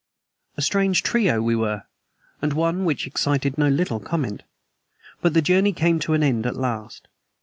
A strange trio we were, and one which excited no little comment; but the journey came to an end at last.